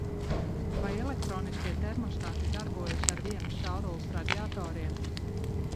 Vai elektroniskie termostati darbojas ar vienas caurules radiatoriem?